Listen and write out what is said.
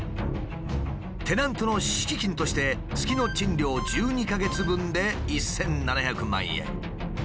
テナントの敷金として月の賃料１２か月分で１，７００万円。